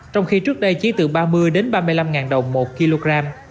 trong khi trước đây chỉ từ ba mươi đến ba mươi năm đồng một kg